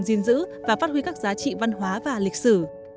gìn giữ và phát huy các giá trị văn hóa và lịch sử